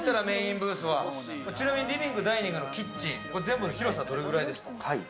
ちなみにリビングダイニングキッチンの広さは、どれくらいですか？